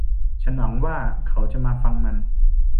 ฉันหวังว่าเขาจะมาฟังมัน